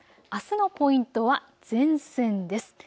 あすのポイントは前線です。